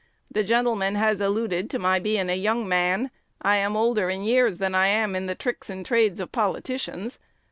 The gentleman has alluded to my being a young man: I am older in years than I am in the tricks and trades of politicians.